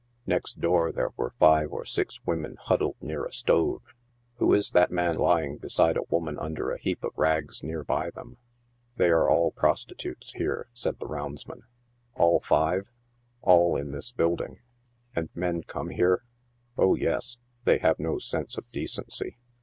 Next door there were five or six women huddled near a stove. Who is that man lying beside a woman under a heap of rags near by them ?" They are all prostitutes here," said the roundsman. "All five?" 11 All in this building "" And men corae here ?"" Oh, yes ; they have no sense of decency."